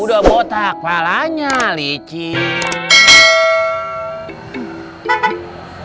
udah botak walanya licin